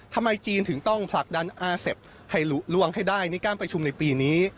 ทำไมจีนถึงต้องผลักดันอาเซฟให้หลุล่วงให้ได้ในการประชุมในปีนี้